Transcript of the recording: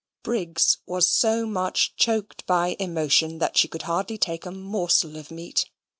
Briggs was so much choked by emotion that she could hardly take a morsel of meat.